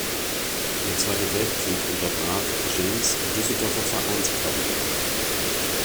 Der Zweite Weltkrieg unterbrach Janes’ Düsseldorfer Vereinskarriere.